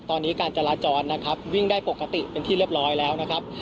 ตอนนี้การจราจรนะครับวิ่งได้ปกติเป็นที่เรียบร้อยแล้วนะครับ